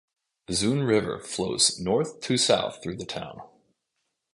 The Xun River flows north to south through the town.